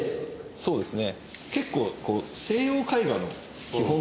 そうですね。